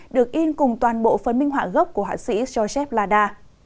được in cùng toàn bộ phân minh họa gốc của hãng sĩ joseph lada